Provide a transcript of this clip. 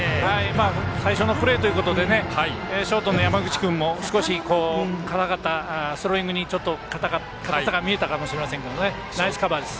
最初のプレーということでショートの山口君もスローイングに硬さが見えたかもしれませんがナイスカバーです。